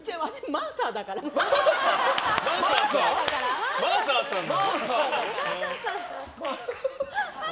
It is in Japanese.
マーサーさんなの？